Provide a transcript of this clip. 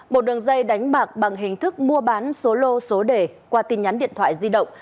một đường dây đánh bạc bằng hình thức mua bán số lô số đề qua tin nhắn điện thoại di động